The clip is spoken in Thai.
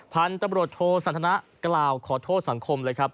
พันตร์ปเนไปทรโศนาเกลาขอโทษสังคมเลยครับ